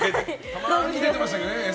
たまに出てましたよね。